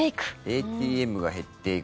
ＡＴＭが減っていく。